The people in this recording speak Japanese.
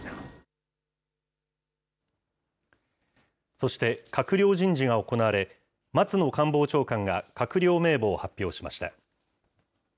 そして閣僚人事が行われ、松野官房長官が閣僚名簿を発表しました。